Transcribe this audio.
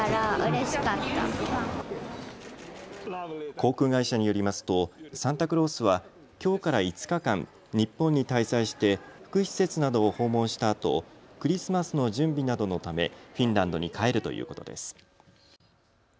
航空会社によりますとサンタクロースはきょうから５日間、日本に滞在して福祉施設などを訪問したあとクリスマスの準備などのためフィンランドに帰るということです。